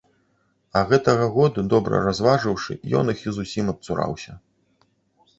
А гэтага году, добра разважыўшы, ён іх і зусім адцураўся.